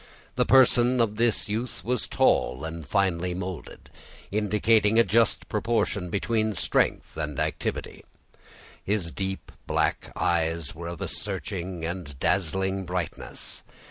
The person of this youth was tall and finely molded, indicating a just proportion between strength and activity; his deep black eyes were of a searching and dazzling brightness.